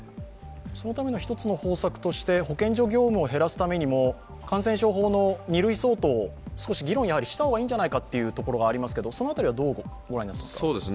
そのための１つの方策して保健所業務を減らすためにも感染症法の２類相当を少し議論をした方がいいんじゃないかとそのあたりはどうご覧になりますか？